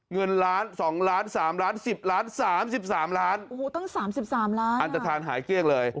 เงินล้านสองล้านสามล้านสิบล้านสามสิบสามล้านอันตรฐานหายเกลี้ยงเลย